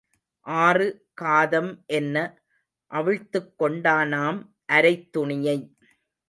ஆறு காதம் என்ன, அவிழ்த்துக் கொண்டானாம் அரைத்துணியை.